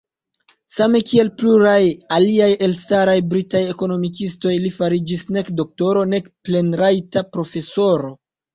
Same kiel pluraj aliaj elstaraj britaj ekonomikistoj, li fariĝis nek doktoro nek plenrajta profesoro.